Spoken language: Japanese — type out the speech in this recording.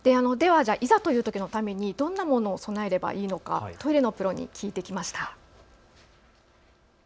では、いざというときのためにどんなものを備えればいいのか、トイレのプロに聞いてきました。